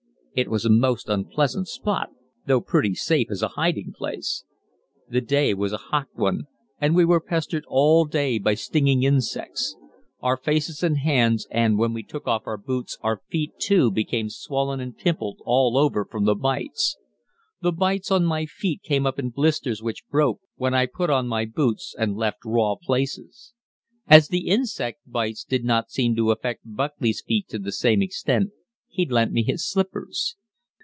It was a most unpleasant spot, though pretty safe as a hiding place. The day was a hot one, and we were pestered all day by stinging insects. Our faces and hands, and, when we took off our boots, our feet too, became swollen and pimpled all over from the bites. The bites on my feet came up in blisters which broke when I put on my boots and left raw places. As the insect bites did not seem to affect Buckley's feet to the same extent, he lent me his slippers.